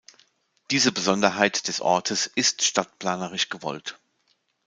Diese Besonderheit des Ortes ist stadtplanerisch gewollt.